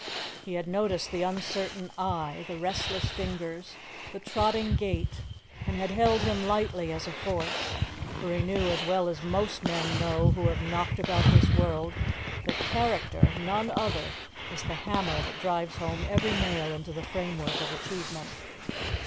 He had noticed the uncertain eye, the restless fingers, the trotting gait, and had held him lightly as a force; for he knew as well as most men know who have knocked about this world that character none other is the hammer that drives home every nail into the framework of achievement.